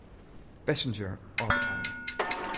Passenger ôfdraaie.